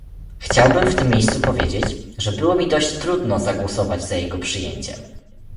Chciałbym w tym miejscu powiedzieć, że było mi dość trudno zagłosować za jego przyjęciem